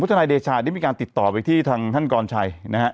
ภาคหนึ่งพจนายเดชานี่มีการติดต่อไปที่ทางท่านกรณ์ชัยนะฮะ